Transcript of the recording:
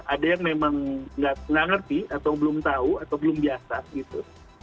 ada yang memang nggak ngerti atau belum tahu atau belum biasa gitu